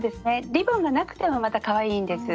リボンがなくてもまたかわいいんです。